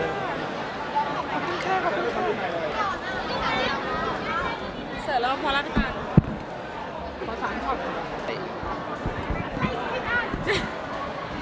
หรอพวอร์ลันท์ต้องฝาก